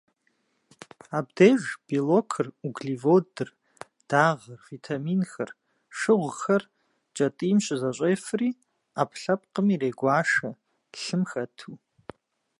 Абдеж белокыр, углеводыр, дагъэр, витаминхэр, шыгъухэр кӏэтӏийм щызэщӏефри, ӏэпкълъэпкъым ирегуашэ, лъым хэту.